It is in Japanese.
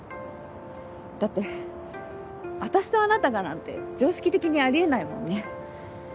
だって私とあなたがなんて常識的にありえないもんね。